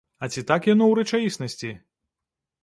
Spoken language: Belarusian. А ці так яно ў рэчаіснасці?